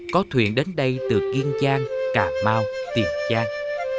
có thuyền đến đây từ kiên giang cà mau tiền giang